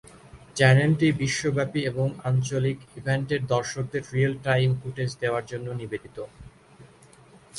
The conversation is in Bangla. চ্যানেলটি বিশ্বব্যাপী এবং আঞ্চলিক ইভেন্টের দর্শকদের রিয়েল-টাইম ফুটেজ দেওয়ার জন্য নিবেদিত।